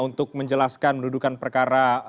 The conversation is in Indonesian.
untuk menjelaskan pendudukan perkara